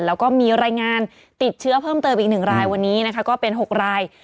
แล้วก็มีรายงานติดเชื้อเพิ่มเติมอีก๑รายวันนี้นะคะก็เป็น๖ราย